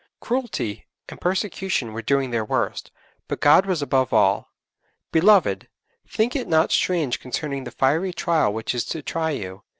Cruelty and persecution were doing their worst, but God was above all. '_Beloved, think it not strange concerning the fiery trial which is to try you